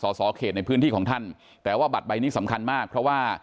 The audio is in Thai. สอสอเขตในพื้นที่ของท่านแต่ว่าบัตรใบนี้สำคัญมากเพราะว่า